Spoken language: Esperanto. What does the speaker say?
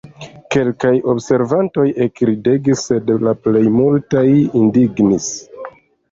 Kelkaj observantoj ekridegis, sed la plej multaj indignis.